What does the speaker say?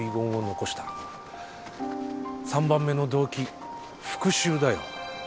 ３番目の動機復讐だよ。